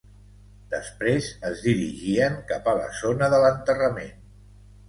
Després es dirigien cap a la zona de l'enterrament.